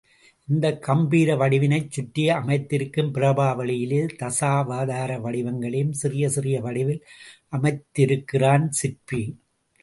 இந்தக் கம்பீர வடிவினைச் சுற்றி அமைத்திருக்கும் பிரபா வழியிலே தசாவதார வடிவங்களையும் சிறிய சிறிய வடிவில் அமைத்திருக்கிறான் சிற்பி.